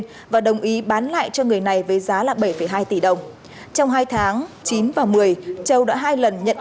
châu đã đồng ý bán lại cho người này với giá bảy hai tỷ đồng trong hai tháng chín và một mươi châu đã hai lần nhận